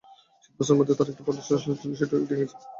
শীতবস্ত্রের মধ্যে তাঁর একটা ভালো শাল ছিল-সেটিও নিয়ে গিয়েছে।